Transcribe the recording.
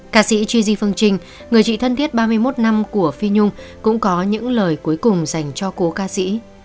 cà sĩ tri di phương trinh người chị thân thiết ba mươi một năm của phi nhung cũng có những lời cuối cùng dành cho cô ca sĩ